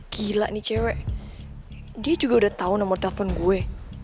gila nih cewek dia juga udah tahu nomor telepon gue